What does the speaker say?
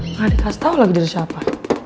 nggak dikasih tahu lagi dari siapa